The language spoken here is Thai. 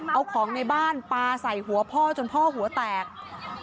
เอาของในบ้านปลาใส่หัวพ่อจนพ่อหัวแตก